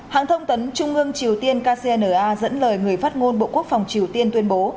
hãng thông tấn trung ương triều tiên kcna dẫn lời người phát ngôn bộ quốc phòng triều tiên tuyên bố